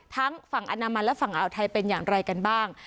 ฝั่งอนามันและฝั่งอ่าวไทยเป็นอย่างไรกันบ้าง